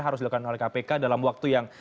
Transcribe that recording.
harus dilakukan oleh kpk dalam waktu yang